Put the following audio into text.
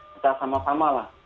kita sama sama lah